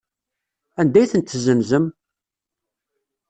Anda ay tent-tessenzem?